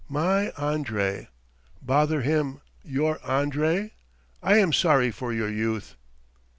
"My Andrey. ... Bother him, your Andrey. I am sorry for your youth."